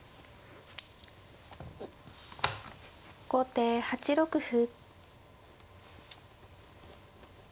後手８六歩。